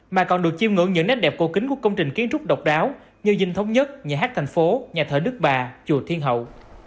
mà còn được chiêm ngưỡng những nét đẹp cổ kính của công trình kiến trúc độc đáo như dinh thống nhất nhà hát thành phố nhà thờ đức bà chùa thiên hậu